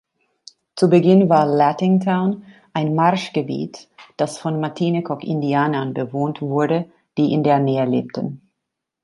Zu Beginn war Lattingtown ein Marschgebiet, das von Matinecock-Indianern bewohnt wurde, die in der Nähe lebten.